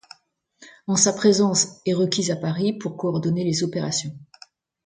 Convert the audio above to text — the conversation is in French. En sa présence est requise à Paris pour coordonner les opérations.